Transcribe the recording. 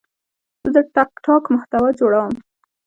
زه د ټک ټاک محتوا جوړوم.